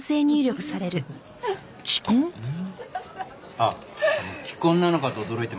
あっ既婚なのかと驚いてます。